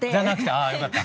ああよかった。